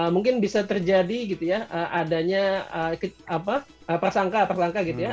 mungkin bisa terjadi gitu ya adanya apa persangka persangka gitu ya